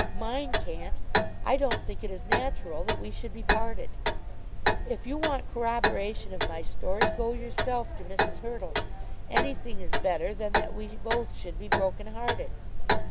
Mine can't. I don't think it is natural that we should be parted. If you want corroboration of my story go yourself to Mrs. Hurtle. Anything is better than that we both should be broken hearted.